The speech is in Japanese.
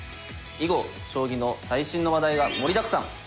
囲碁将棋の最新の話題が盛りだくさん。